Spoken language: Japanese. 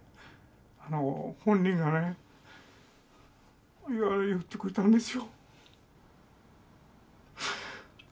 あの本人がね言ってくれたんですよ。